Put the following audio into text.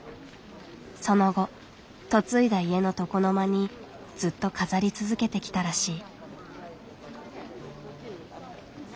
その後嫁いだ家の床の間にずっと飾り続けてきたらしい。